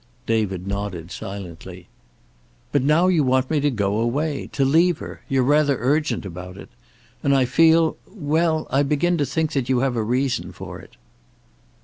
David nodded, silently. "But now you want me to go away. To leave her. You're rather urgent about it. And I feel well I begin to think you have a reason for it."